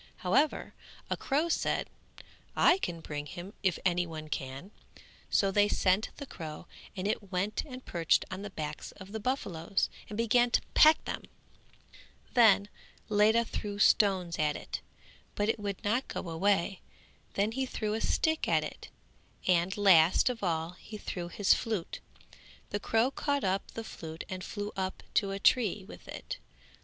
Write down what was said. However a crow said, "I can bring him if any one can," so they sent the crow and it went and perched on the backs of the buffaloes and began to peck them; then Ledha threw stones at it, but it would not go away; then he threw a stick at it and last of all he threw his flute. The crow caught up the flute and flew up to a tree with it.